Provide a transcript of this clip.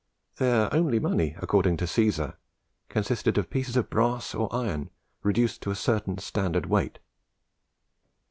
Their only money, according to Caesar, consisted of pieces of brass or iron, reduced to a certain standard weight.